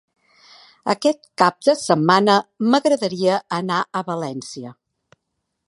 Aquest cap de setmana m'agradaria anar a València.